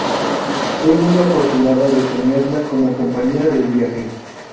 Soy muy afortunada de tenerla como compañera de viaje".